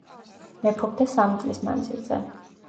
მეფობდა სამი წლის მანძილზე.